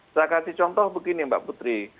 saya kasih contoh begini mbak putri